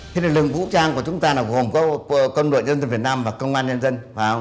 thì lực lượng vũ trang của chúng ta gồm có công đội nhân dân việt nam và công an nhân dân